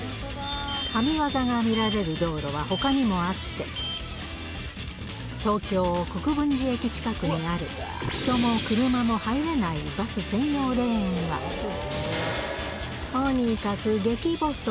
神業が見られる道路はほかにもあって、東京・国分寺駅近くにある、人も車も入れないバス専用レーンは、とにかくゲキ細。